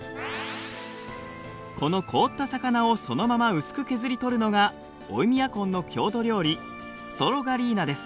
この凍った魚をそのまま薄く削り取るのがオイミャコンの郷土料理ストロガリーナです。